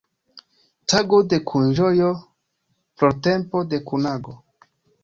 Tago de kunĝojo, flortempo de kunago.